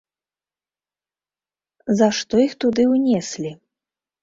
За што іх туды ўнеслі?